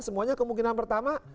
semuanya kemungkinan pertama